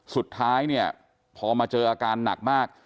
สุดท้ายเนี่ยพอมาเจออาการหนักมาก